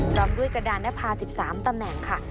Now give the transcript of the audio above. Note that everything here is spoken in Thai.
พร้อมด้วยกระดานนภา๑๓ตำแหน่งค่ะ